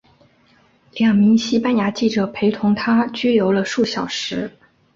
两名西班牙记者陪同她拘留了数小时。